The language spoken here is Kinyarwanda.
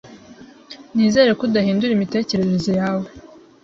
Nizere ko udahindura imitekerereze yawe